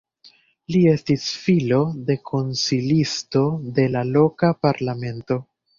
Li estis filo de konsilisto de la loka parlamento.